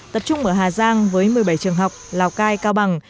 tập trung ở hà giang với một mươi bảy trường học lào cai cao bằng